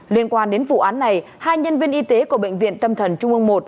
liên quan đến vụ án này hai nhân viên y tế của bệnh viện tâm thần trung ương một